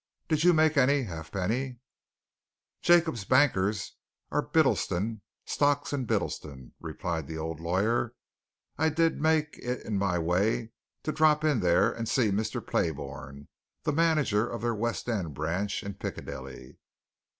Did you make any, Halfpenny?" "Jacob's bankers are Bittleston, Stocks and Bittleston," replied the old lawyer. "I did make it in my way to drop in there and to see Mr. Playbourne, the manager of their West End branch, in Piccadilly.